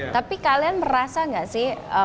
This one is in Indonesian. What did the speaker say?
tapi kalian merasa nggak sih